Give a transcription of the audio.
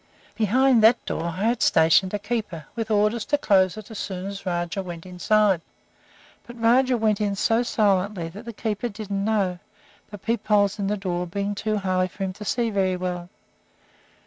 Behind that door I had stationed a keeper, with orders to close it as soon as Rajah was inside; but Rajah went in so silently that the keeper didn't know it, the peep holes in the door being too high for him to see very well.